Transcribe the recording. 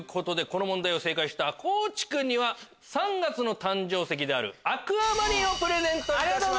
この問題を正解した地君には３月の誕生石であるアクアマリンプレゼントいたします。